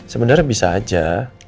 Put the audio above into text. sebenarnya bisa aja